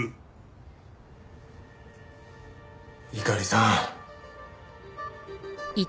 猪狩さん。